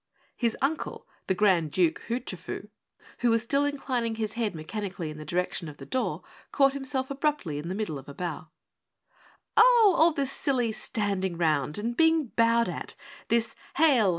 His uncle, the Grand Duke Hoochafoo, who was still inclining his head mechanically in the direction of the door, caught himself abruptly in the middle of a bow. "Oh, all this silly standing round and being bowed at, this 'Hail!